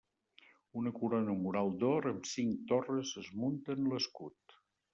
Una corona mural d'or amb cinc torres es munta en l'escut.